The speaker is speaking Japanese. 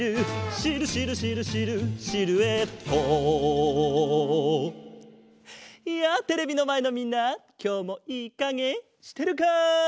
「シルシルシルシルシルエット」やあテレビのまえのみんなきょうもいいかげしてるか？